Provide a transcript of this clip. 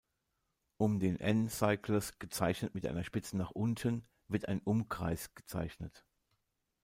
Um den n-Cyclus, gezeichnet mit einer Spitze nach unten, wird ein Umkreis gezeichnet.